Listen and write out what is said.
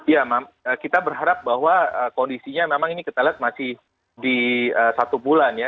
ya kita berharap bahwa kondisinya memang ini kita lihat masih di satu bulan ya